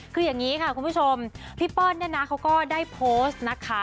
คืออย่างนี้ค่ะคุณผู้ชมพี่เปิ้ลเนี่ยนะเขาก็ได้โพสต์นะคะ